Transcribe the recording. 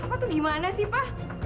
apa tuh gimana sih pa